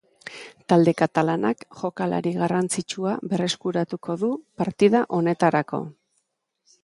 Talde katalanak jokalari garrantzitsua berreskuratuko du partida honetarako.